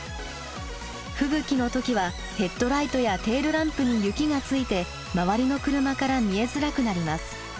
吹雪の時はヘッドライトやテールランプに雪がついて周りの車から見えづらくなります。